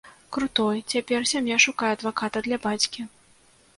Крутой, цяпер сям'я шукае адваката для бацькі.